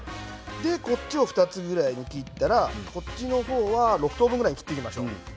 こっちは２つぐらいに切ったらこっちの方は６等分ぐらいに切っていきましょう。